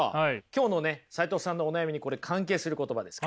今日のね齋藤さんのお悩みにこれ関係する言葉です。